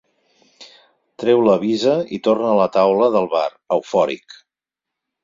Treu la visa i torna a la taula del bar, eufòric.